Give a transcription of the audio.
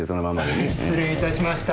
失礼いたしました。